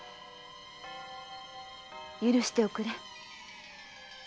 許しておくれ。